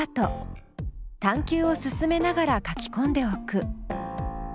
探究を進めながら書きこんでおく。